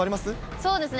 そうですね。